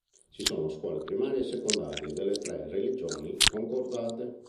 Ci sono scuole primarie e secondarie delle tre religioni concordate.